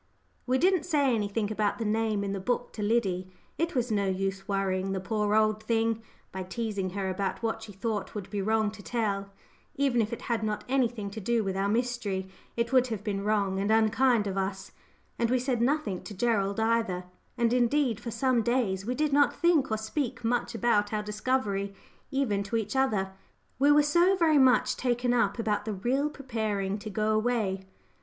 We didn't say anything about the name in the book to Liddy. It was no use worrying the poor old thing by teasing her about what she thought would be wrong to tell; even if it had not anything to do with our mystery, it would have been wrong and unkind of us. And we said nothing to Gerald either; and indeed for some days we did not think or speak much about our discovery even to each other; we were so very much taken up about the real preparing to go away.